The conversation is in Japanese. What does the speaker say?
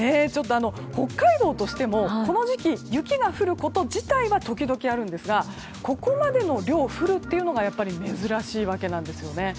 北海道としてもこの時期、雪が降ること自体は時々あるんですがここまでの量、降るというのが珍しいわけですね。